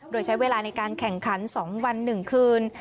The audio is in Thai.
โดยใช้เวลาในการแข่งขัน๒วัน๑คืน